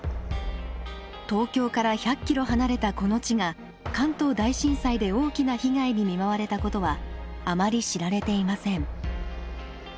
東京から１００ｋｍ離れたこの地が関東大震災で大きな被害に見舞われたことはあまり知られていません。